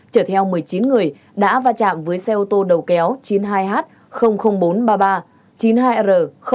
trở theo một mươi chín người đã va chạm với xe ô tô đầu kéo chín mươi hai h bốn trăm ba mươi ba chín mươi hai r bốn trăm sáu mươi chín